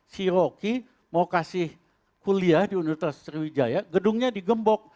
si roki mau kasih kuliah di universitas sriwijaya gedungnya digembok